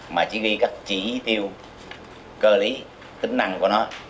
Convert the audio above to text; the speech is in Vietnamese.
mà chỉ ghi các chỉ tiêu cơ lý tính năng của nó